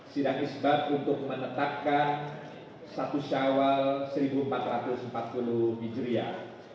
sidang isbat untuk menetapkan satu syawal seribu empat ratus empat puluh hijriah